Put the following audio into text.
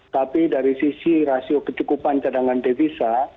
tapi dari sisi rasio ketukupan cadangan divisa